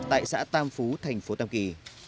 tại xã tam phú thành phố tam kỳ